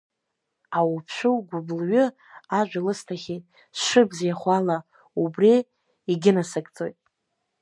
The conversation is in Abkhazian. Ауԥшәыл гәыблҩы ажәа лысҭахьеит сшыбзиахо ала, убри иагьынасыгӡоит.